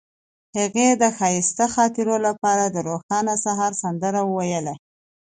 هغې د ښایسته خاطرو لپاره د روښانه سهار سندره ویله.